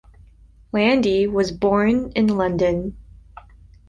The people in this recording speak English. Landy was born in London.